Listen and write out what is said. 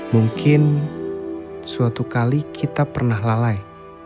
mungkin suatu kali kita pernah lalai